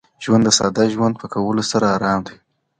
ژوند د ساده ژوند په کولو سره ارام وي.